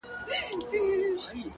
• چي مي بایللی و؛ وه هغه کس ته ودرېدم ؛